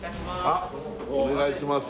あっお願いします